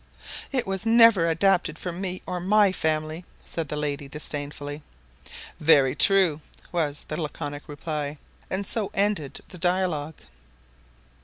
"It was never adapted for me or my family," said the lady, disdainfully. "Very true," was the laconic reply; and so ended the dialogue.